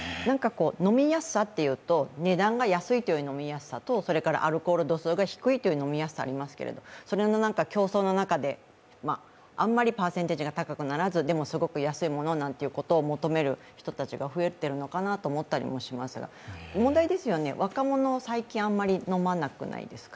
飲みやすさというと、値段が安いという飲みやすさとそれからアルコール度数が低いという飲みやすさがありますけどその競争の中であまりパーセンテージが高くならず、でも、すごく安いものを求める人たちが増えているのかなと思ったりしますが、問題ですよね、若者は最近あまり飲まなくないですか？